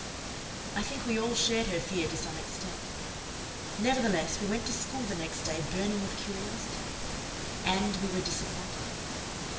I think we all shared her fear to some extent. Nevertheless, we went to school the next day burning with curiosity. And we were disappointed.